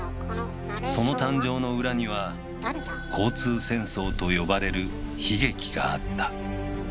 その誕生の裏には「交通戦争」と呼ばれる悲劇があった。